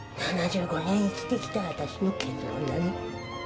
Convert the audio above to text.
７５年生きてきた私の結論だね。